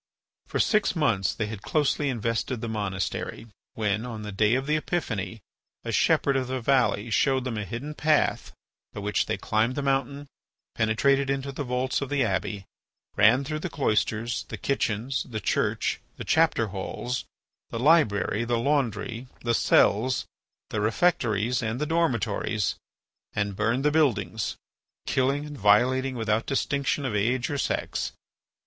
For six months they had closely invested the monastery, when, on the day of the Epiphany, a shepherd of the valley showed them a hidden path by which they climbed the mountain, penetrated into the vaults of the abbey, ran through the cloisters, the kitchens, the church, the chapter halls, the library, the laundry, the cells, the refectories, and the dormitories, and burned the buildings, killing and violating without distinction of age or sex.